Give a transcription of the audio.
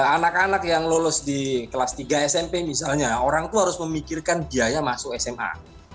anak anak yang lulus di kelas tiga smp misalnya orang itu harus memikirkan biaya masuk sma